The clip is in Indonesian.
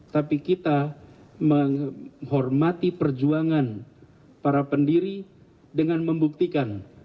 tapi kita menghormati perjuangan para pendiri dengan membuktikan